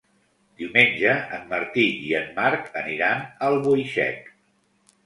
Diumenge en Martí i en Marc aniran a Albuixec.